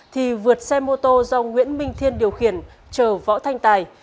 thì vượt xe mô tô do nguyễn minh thiên điều khiển chở võ thanh tài